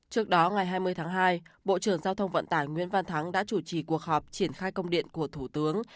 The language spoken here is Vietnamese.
trước đó ngày hai mươi tháng hai bộ trưởng giao thông vận tải nguyễn văn thắng đã chủ trì cuộc họp triển khai công điện của thủ tướng